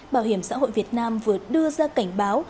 bảo hiểm xã hội việt nam vừa đưa ra cảnh báo